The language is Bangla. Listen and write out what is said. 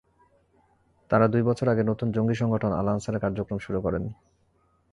তাঁরা দুই বছর আগে নতুন জঙ্গি সংগঠন আল-আনসারের কার্যক্রম শুরু করেন।